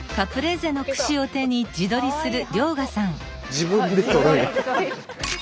自分で撮るんや。